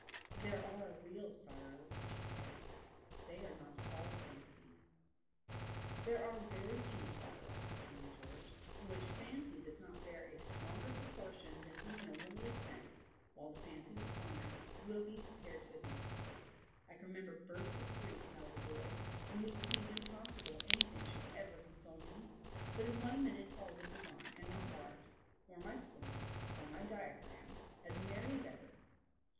"There are real sorrows," she said. "They are not all fancied." "There are very few sorrows," returned George, "in which fancy does not bear a stronger proportion than even a woman of sense, while the fancy is upon her, will be prepared to admit. I can remember bursts of grief when I was a boy, in which it seemed impossible anything should ever console me; but in one minute all would be gone, and my heart, or my spleen, or my diaphragm, as merry as ever.